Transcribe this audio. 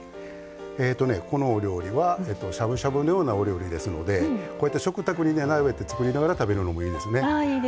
このお料理はしゃぶしゃぶのようなお料理ですのでこういった食卓に並べて作りながら食べるのもいいですね。